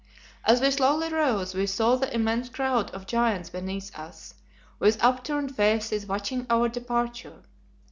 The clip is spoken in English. As we slowly rose we saw the immense crowd of giants beneath us, with upturned faces, watching our departure.